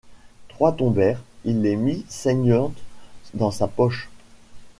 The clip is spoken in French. Trois tombèrent, il les mit saignantes dans sa poche.